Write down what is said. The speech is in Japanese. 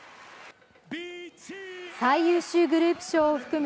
最優秀グループ賞を含む